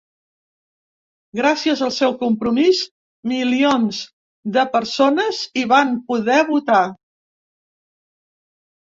Gràcies al seu compromís, milions de persones hi van poder votar.